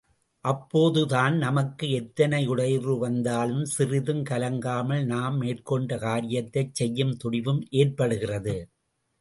அப்போதுதான் நமக்கு, எத்தனை இடையூறு வந்தாலும் சிறிதும் கலங்காமல் நாம் மேற்கொண்ட காரியத்தைச் செய்யும் துணிவும் ஏற்படுகிறது.